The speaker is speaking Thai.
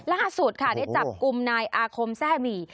ล่าสุดค่ะได้จับกลุ่มนายอาคมแทร่หมี่